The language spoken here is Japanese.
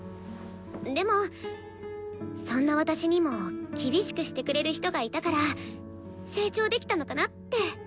でもそんな私にも厳しくしてくれる人がいたから成長できたのかなって。